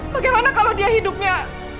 bagaimana kalau dia hidupnya